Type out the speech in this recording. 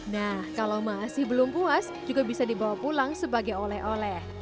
nah kalau masih belum puas juga bisa dibawa pulang sebagai oleh oleh